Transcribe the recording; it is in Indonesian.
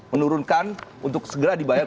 menurunkan untuk segera dibayar